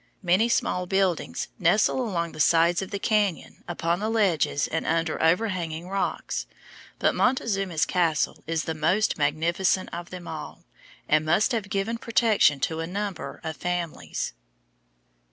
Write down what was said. Many small buildings nestle along the sides of the cañon upon the ledges and under over hanging rocks, but Montezuma's Castle is the most magnificent of them all, and must have given protection to a number of families.